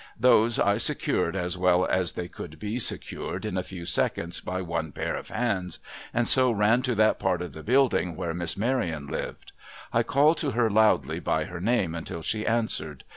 Those, I secured as well as they could be secured in a few seconds by one pair of hands, and so ran to that part of the building where Miss Maryon lived. I called to her loudly by her name until she answered.